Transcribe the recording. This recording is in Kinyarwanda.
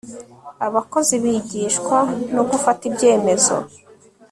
abakozi bigishwa no gufata ibyemezo